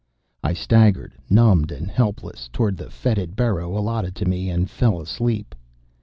I staggered, numbed and helpless, toward the fetid burrow allotted to me, and fell asleep.